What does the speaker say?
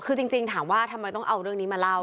คือจริงถามว่าทำไมต้องเอาเรื่องนี้มาเล่า